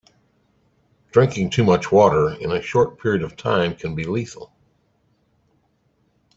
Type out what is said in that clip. Drinking too much water in a short period of time can be lethal.